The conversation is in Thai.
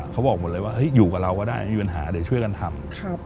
เขาบอกหมดเลยว่าอยู่กับเราก็ได้ไม่มีปัญหาเดี๋ยวช่วยกันทำ